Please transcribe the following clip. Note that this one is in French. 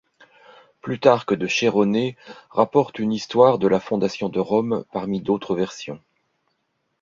Plutarque de Chéronée rapporte une histoire de la fondation de Rome parmi d'autres versions.